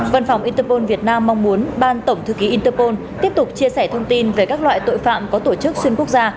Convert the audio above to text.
văn phòng interpol việt nam mong muốn ban tổng thư ký interpol tiếp tục chia sẻ thông tin về các loại tội phạm có tổ chức xuyên quốc gia